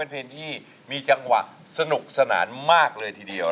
เพลงที่มีจังหวะสนุกสนานมากเลยทีเดียว